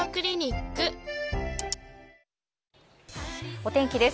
お天気です。